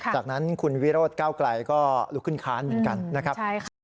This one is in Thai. จากนั้นคุณวิโรธก้าวไกลก็ลุกขึ้นค้านเหมือนกันนะครับ